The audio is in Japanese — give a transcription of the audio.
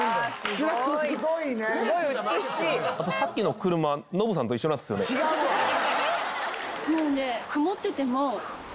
あとさっきの車ノブさんと一緒のやつですよね？